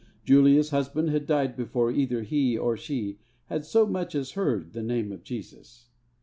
Julia's husband had died before either he or she had so much as heard the name of Jesus.